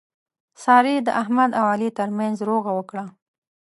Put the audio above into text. سارې د احمد او علي ترمنځ روغه وکړه.